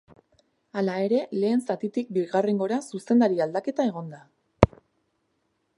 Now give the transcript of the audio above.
Hala ere, lehen zatitik bigarrengora zuzendari aldaketa egon da.